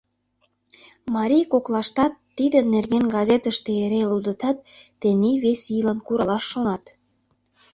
Марий коклаштат тидын нерген газетыште эре лудытат, тений вес ийлан куралаш шонат.